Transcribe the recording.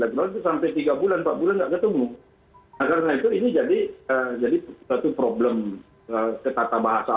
sudah sampai tiga bulan sebelumnya ketemu agar yaitu ini jadi nah jadi satu problem ketata bahasa